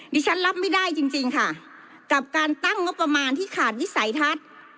ดิฉันรับไม่ได้จริงจริงค่ะกับการตั้งงบประมาณที่ขาดวิสัยทัศน์